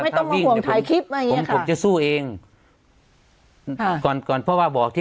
ไม่ต้องมาห่วงถ่ายคลิปอะไรอย่างเงี้ยผมจะสู้เองค่ะก่อนก่อนเพราะว่าบอกที่